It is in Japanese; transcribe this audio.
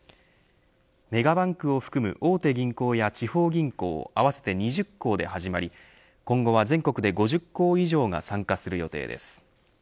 メガバンクを含む大手銀行や、地方銀行合わせて２０行で始まり今後は全国で５０行以上が参加する予定です。